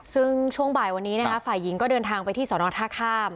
ซึ่งช่วงบ่ายวันนี้ฝ่ายหญิงก็เดินทางไปที่สวนธคราบ